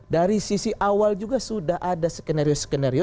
dari sisi awal juga sudah ada skenario skenario